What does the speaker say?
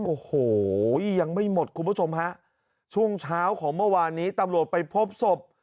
โอ้โหยังไม่หมดคุณผู้ชมฮะช่วงเช้าของเมื่อวานนี้ตำรวจไปพบศพ